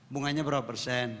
bunganya berapa persen